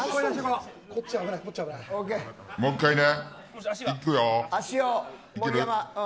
もう１回ね。